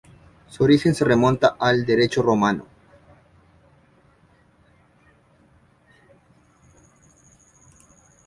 Su origen se remonta al Derecho romano.